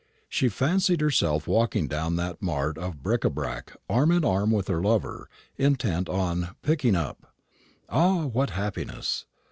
She fancied herself walking down that mart of bric a brac arm in arm with her lover, intent on "picking up." Ah, what happiness!